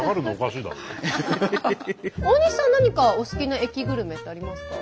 大西さん何かお好きな駅グルメってありますか？